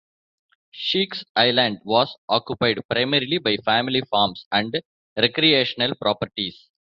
Sheek's Island was occupied primarily by family farms and recreational properties.